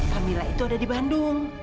camilla itu ada di bandung